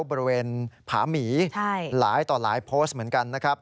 พระเมียบุปรุเวณภาหมีหลายต่อหลายโพสต์เหมือนกันนะครับ